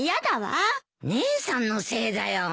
姉さんのせいだよ。